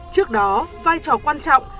trước đó vai trò quan trọng